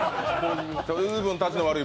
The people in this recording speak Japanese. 随分たちのわるい